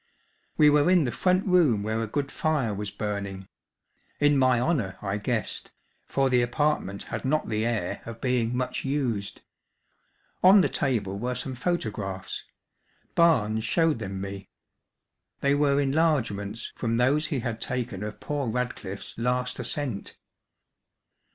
We were in the front room where a good fire was burning in my honour, I guessed, for the apartment had not the air of being much used. On the table were some photographs. Barnes showed them me. They were enlargements from those he had taken of poor Radcliffe's last ascent.